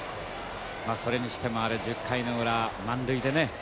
それにしてもあれ１０回の裏満塁でね